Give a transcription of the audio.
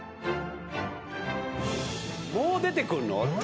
「もう出てくんの？」